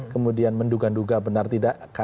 kemudian menduga duga benar tidak